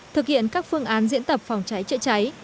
thực hiện các phương án diễn tập phòng cháy chữa cháy